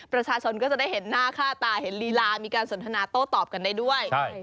ประชาชนก็จะได้เห็นหน้าค่าตาเห็นลีลามีการสนทนาโต้ตอบกันได้ด้วย